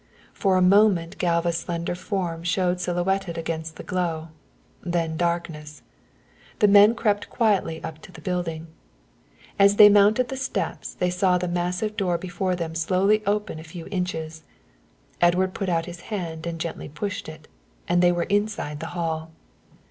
For a moment Galva's slender form showed silhouetted against the glow, then darkness. The men crept quietly up to the building. As they mounted the steps they saw the massive door before them slowly open a few inches. Edward put out his hand and gently pushed it, and they were inside the hall.